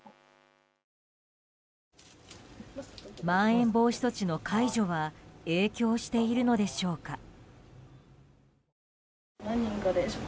まん延防止措置の解除は影響しているのでしょうか。